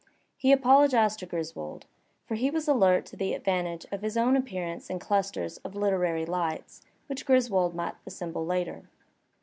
He apologized to Griswold, for he was alert to the advantage of his own appearance in clusters of literaiy lights which Griswold might assemble later.